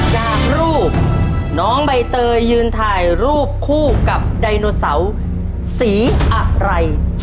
จากรูปน้องใบเตยยืนถ่ายรูปคู่กับไดโนเสาร์สีอะไร